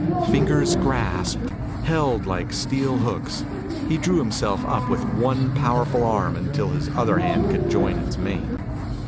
Fingers grasped, held like steel hooks. He drew himself up with one powerful arm until his other hand could join its mate.